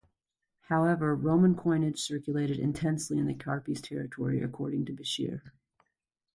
However, Roman coinage circulated "intensely" in the Carpi's territory, according to Bichir.